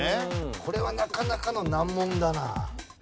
これはなかなかの難問だな。